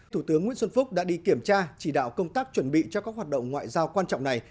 thủ tướng nguyễn xuân phúc đã đi kiểm tra chỉ đạo công tác chuẩn bị cho các hoạt động ngoại giao quan trọng này